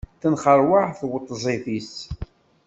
Tenxeṛwaɛ tweṭzit-is.